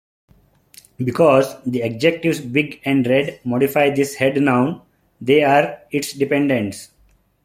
Because the adjectives "big" and "red" modify this head noun, they are its "dependents".